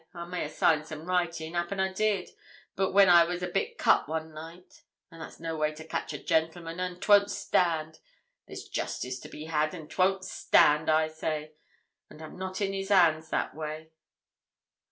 I may a' signed some writing 'appen I did when I was a bit cut one night. But that's no way to catch a gentleman, and 'twon't stand. There's justice to be had, and 'twon't stand, I say; and I'm not in 'is hands that way.